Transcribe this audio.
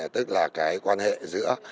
tức là cái quan hệ giữa